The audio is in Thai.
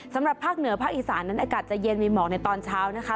สำหรับภาคเหนือภาคอีสานนั้นอากาศจะเย็นมีหมอกในตอนเช้านะคะ